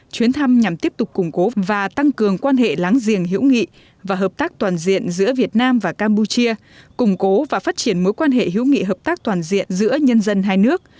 chuyến thăm nhằm tiếp tục củng cố và tăng cường quan hệ láng giềng hữu nghị và hợp tác toàn diện giữa việt nam và campuchia củng cố và phát triển mối quan hệ hữu nghị hợp tác toàn diện giữa nhân dân hai nước